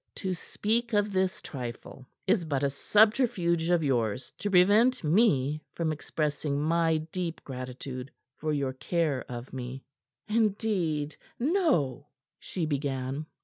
"To speak of this trifle is but a subterfuge of yours to prevent me from expressing my deep gratitude for your care of me." "Indeed, no " she began.